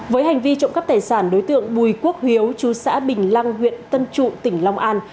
với hành vi trộm cắp tài sản đối tượng bùi quốc hiếu chú xã bình lăng huyện tân trụ tỉnh long an